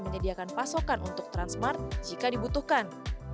menyediakan pasokan untuk transmart jika dibutuhkan